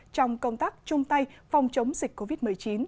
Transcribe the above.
trong công tác chung tay phòng chống dịch covid một mươi chín